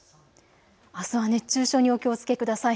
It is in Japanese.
あすは熱中症にお気をつけください。